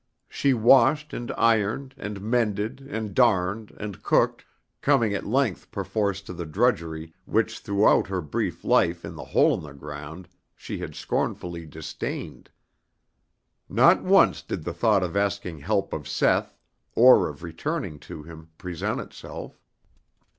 She washed and ironed and mended and darned and cooked, coming at length perforce to the drudgery which throughout her brief life in the hole in the ground she had scornfully disdained. Not once did the thought of asking help of Seth or of returning to him present itself.